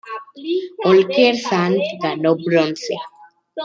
Oleksandr ganó bronce.